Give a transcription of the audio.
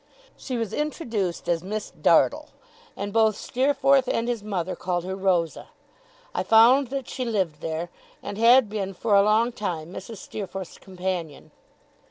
She was introduced as Miss Dartle, and both Steerforth and his mother called her Rosa. I found that she lived there, and had been for a long time Mrs. Steerforth's companion.